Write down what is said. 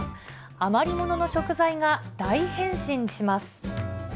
余り物の食材が大変身します。